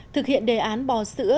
thực hiện đề án bò sữa